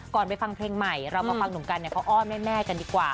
ไปฟังเพลงใหม่เรามาฟังหนุ่มกันเนี่ยเขาอ้อนแม่กันดีกว่า